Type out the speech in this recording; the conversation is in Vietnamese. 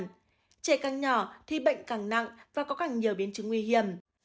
trẻ càng nhỏ thì bệnh càng nặng và có càng nhiều biến chứng nguy hiểm